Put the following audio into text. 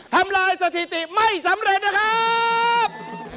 ทำลายสถิติไม่สำเร็จนะครับ